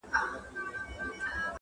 o نه گناه کوم، نه توبه کاږم.